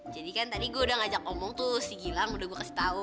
jadi kan tadi gue udah ngajak ngomong tuh si gilang udah gue kasih tau